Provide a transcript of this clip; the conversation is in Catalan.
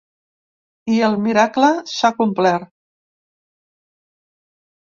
I el miracle s’ha complert.